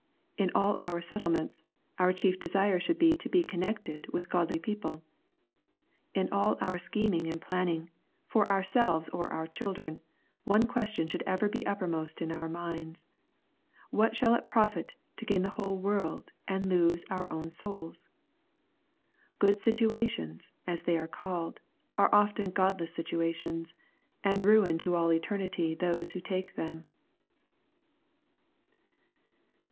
In all our settlements, our chief desire should be to be connected with godly people. In all our scheming and planning, for ourselves or our children, one question should ever be uppermost in our minds :" What shall it profit to gain the whole world, and lose our own souls ?" Good situations, as they are called, are often godless situa tions, and ruin to aU eternity those who take them.